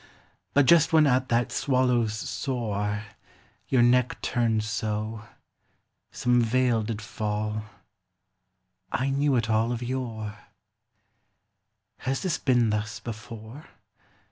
308 But just when at that swallow's soar Your neck turned so, Some veil did fall, — I knew it all of yore. Has this been thus before